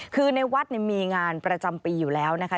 คือในวัดมีงานประจำปีอยู่แล้วนะคะ